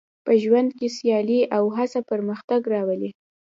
په ژوند کې سیالي او هڅه پرمختګ راولي.